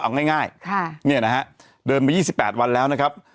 เอาง่ายง่ายค่ะเนี่ยนะฮะเดินมายี่สิบแปดวันแล้วนะครับ